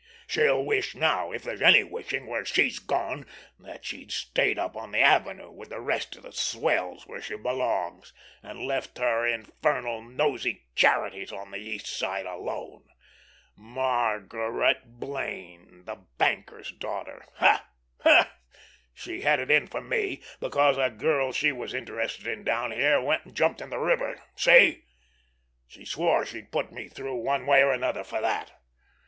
She'll wish now, if there's any wishing where she's gone, that she'd stayed up on the Avenue with the rest of the swells where she belongs, and left her infernal, nosey charities on the East Side alone. Margaret Blaine—the banker's daughter! Ha, ha! She had it in for me because a girl she was interested in down here went and jumped in the river. See? She swore she'd put me through one way or another for that.